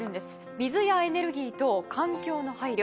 水やエネルギー等環境の配慮。